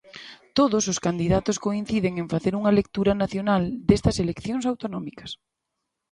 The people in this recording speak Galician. Todos os candidatos coinciden en facer unha lectura nacional destas eleccións autonómicas.